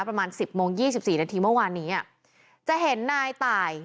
ประมาณสิบโมงยี่สิบสี่นาทีเมื่อวานนี้อ่ะจะเห็นนายตาย